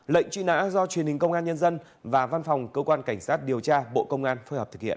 lệnh truy nã do truyền hình công an nhân dân và văn phòng cơ quan cảnh sát điều tra bộ công an phối hợp thực hiện